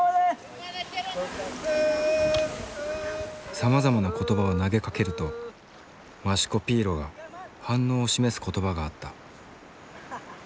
さまざまな言葉を投げかけるとマシュコピーロが反応を示す言葉があった。